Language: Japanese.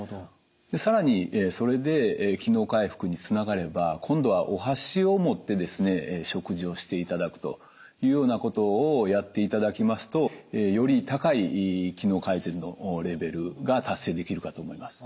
更にそれで機能回復につながれば今度はお箸を持ってですね食事をしていただくというようなことをやっていただきますとより高い機能改善のレベルが達成できるかと思います。